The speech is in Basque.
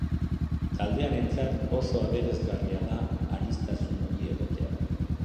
Taldearentzat, oso aberasgarria da aniztasun hori egotea.